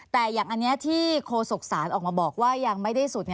แต่อย่างอันนี้ที่โคศกศาลออกมาบอกว่ายังไม่ได้สุด